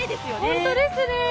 本当ですね。